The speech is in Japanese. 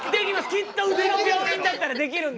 きっとうちの病院だったらできるんで！